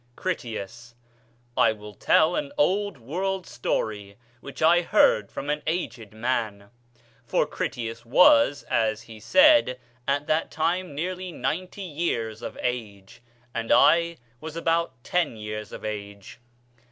Critias. I will tell an old world story which I heard from an aged man; for Critias was, as he said, at that time nearly ninety years of age, and I was about ten years of age.